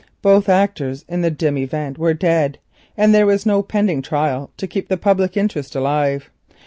Both actors in the dim event were dead, and there was no pending trial to keep the public interest alive.